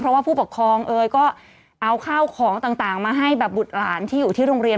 เพราะว่าผู้ปกครองเอ๋ยก็เอาข้าวของต่างมาให้แบบบุตรหลานที่อยู่ที่โรงเรียน